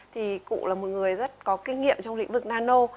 thì cụ là một người rất có kinh nghiệm trong lĩnh vực nano